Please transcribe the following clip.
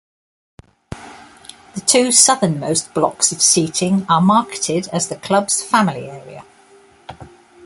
The two southernmost blocks of seating are marketed as the club's family area.